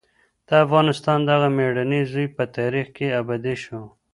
د افغانستان دغه مېړنی زوی په تاریخ کې ابدي شو.